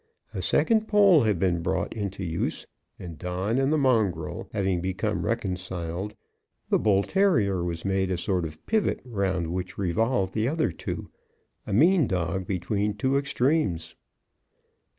A second pole had been brought into use, and, Don and the mongrel having become reconciled, the bull terrier was made a sort of pivot round which revolved the other two, a mean dog between two extremes.